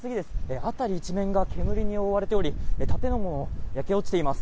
辺り一面が煙に覆われており建物が焼け落ちています。